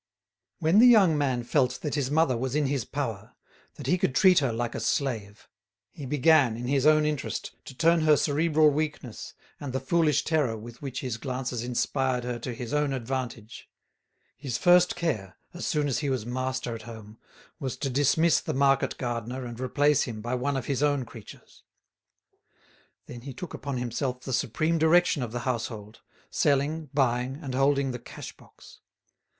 When the young man felt that his mother was in his power, that he could treat her like a slave, he began, in his own interest, to turn her cerebral weakness and the foolish terror with which his glances inspired her to his own advantage. His first care, as soon as he was master at home, was to dismiss the market gardener and replace him by one of his own creatures. Then he took upon himself the supreme direction of the household, selling, buying, and holding the cash box.